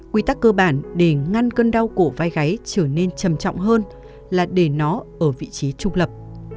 quy tắc cơ bản để ngăn cơn đau cổ vai gáy trở nên trầm trọng hơn là để nó ở vị trí trung lập